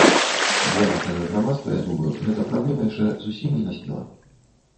Для нашага грамадства, я думаю, гэта праблема яшчэ зусім не наспела.